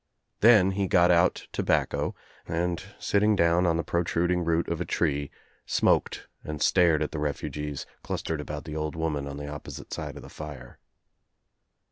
Then he got out tobacco and, sitting down on the protruding root of a tree, smoked and stared at the refugees, clustered about the old woman on the opposite side of the fire.